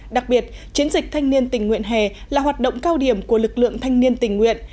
đặc biệt chiến dịch thanh niên tình nguyện hè là hoạt động cao điểm của lực lượng thanh niên tình nguyện